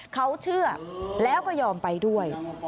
เขาเชื่อแล้วก็ยอมไปด้วย